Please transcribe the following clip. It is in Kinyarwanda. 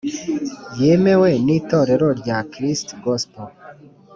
yemewe n Itorero rya Christ Gospel